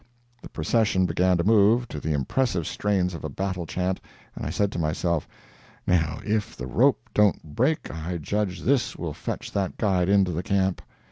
The procession began to move, to the impressive strains of a battle chant, and I said to myself, "Now, if the rope don't break I judge THIS will fetch that guide into the camp."